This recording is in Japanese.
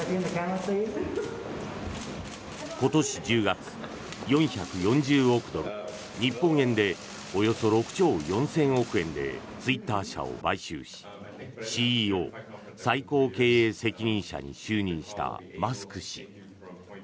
今年１０月、４４０億ドル日本円でおよそ６兆４０００億円でツイッター社を買収しＣＥＯ・最高経営責任者に就任したマスク氏。